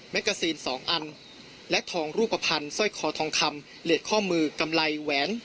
กาซีน๒อันและทองรูปภัณฑ์สร้อยคอทองคำเหล็ดข้อมือกำไรแหวน